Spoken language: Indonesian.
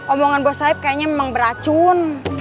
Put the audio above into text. omongan bos saip kayaknya memang beracun